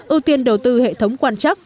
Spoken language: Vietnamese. ưu tiên đầu tư hệ thống quan chắc